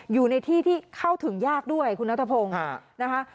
อยู่ในที่ที่เข้าถึงยากด้วยคุณนัทพงศ์นะคะ